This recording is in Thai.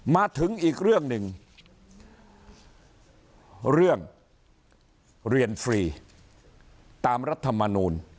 มาถึงอีกเรื่องหนึ่งเรื่องเรียนฟรีตามรัฐมนูล